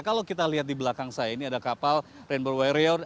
kalau kita lihat di belakang saya ini ada kapal rainbow warrior